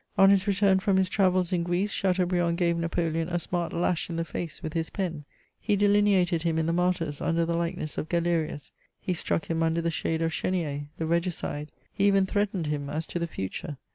On his return from his travels in Greece, Chateaubriand gave Napoleon a smart lash in the face with his pen. He delineated him in the Martyrs mider the like ness of Galerius ; he struck him under the shade of Chenier, the regicide ; he even threatened him as to the future.